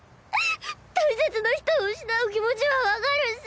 大切な人を失う気持ちは分かるっス。